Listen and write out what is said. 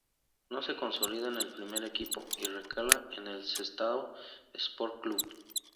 No se consolida en el primer equipo y recala en el Sestao Sport Club.